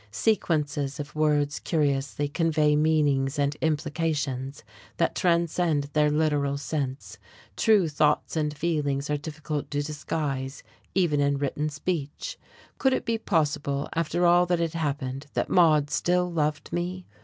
Sequences of words curiously convey meanings and implications that transcend their literal sense, true thoughts and feelings are difficult to disguise even in written speech. Could it be possible after all that had happened that Maude still loved me?